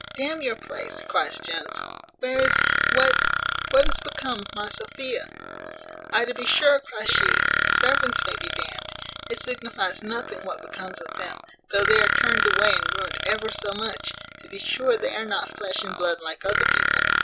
"D n your place!" cries Jones; "where is what what is become of my Sophia?" "Ay, to be sure," cries she, "servants may be d n'd. It signifies nothing what becomes of them, though they are turned away, and ruined ever so much. To be sure they are not flesh and blood like other people.